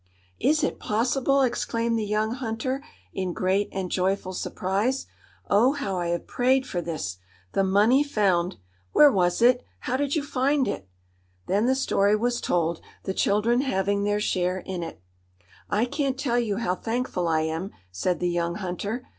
"Is it possible!" exclaimed the young hunter, in great and joyful surprise. "Oh, how I have prayed for this! The money found! Where was it? How did you find it?" Then the story was told, the children having their share in it. "I can't tell you how thankful I am," said the young hunter.